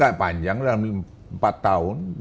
tidak panjang dalam empat tahun